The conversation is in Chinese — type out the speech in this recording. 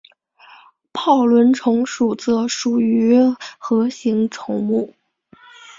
泡轮虫属则属于核形虫目。